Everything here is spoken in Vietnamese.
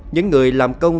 những người làm công